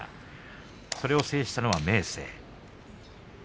それを制したのは明生。